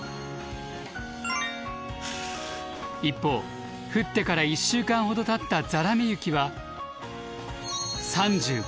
一方降ってから１週間ほどたったざらめ雪は３５ｇ。